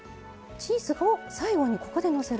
チーズを最後にここでのせる。